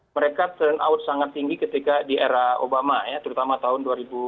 mereka turnout sangat tinggi ketika di era obama ya terutama tahun dua ribu dua